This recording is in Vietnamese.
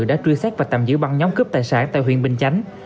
đã truy xét và tạm giữ băng nhóm cướp tài sản tại huyện bình chánh